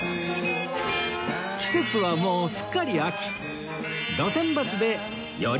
季節はもうすっかり秋